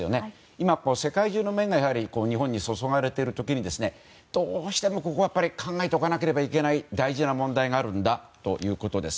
今、世界中の目が日本に注がれている時にどうしてもここは考えておかなければならない大事な問題があるということです。